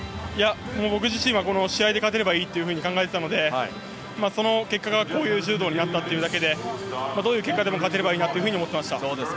僕自身は試合に勝てればいいと考えていたのでその結果がこういう柔道になったというだけでどういう結果でも勝てればいいなと思っていました。